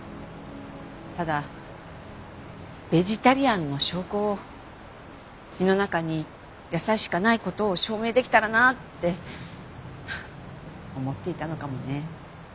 ただベジタリアンの証拠を胃の中に野菜しかない事を証明できたらなって思っていたのかもね。